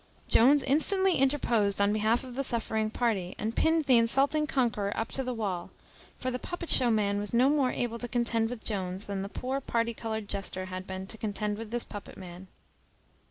Jones instantly interposed on behalf of the suffering party, and pinned the insulting conqueror up to the wall: for the puppet show man was no more able to contend with Jones than the poor party coloured jester had been to contend with this puppet man.